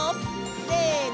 せの！